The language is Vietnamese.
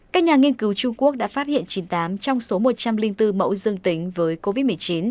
các nhà nghiên cứu trung quốc đã phát hiện chín mươi tám trong số một trăm linh bốn mẫu dương tính với covid một mươi chín